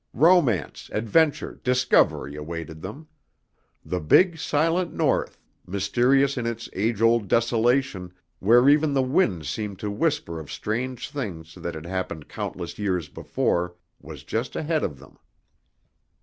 Romance, adventure, discovery, awaited them. The big, silent North, mysterious in its age old desolation, where even the winds seemed to whisper of strange things that had happened countless years before, was just ahead of them.